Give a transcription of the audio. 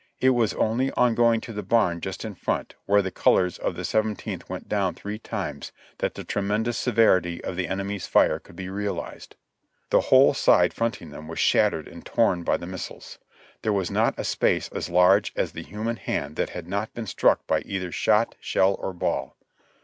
It was only on going to the barn just in front, where the colors of the Seventeenth went down three times, that the tremendous severity of the enemy's fire could be realized. The whole side fronting them was shattered and torn by the missiles ; there was not a space as large as the human hand that had not been struck by either shot, shell or ball.